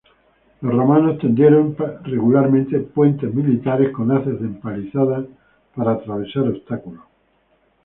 Los romanos tendieron regularmente puentes militares con haces de empalizada para atravesar obstáculos.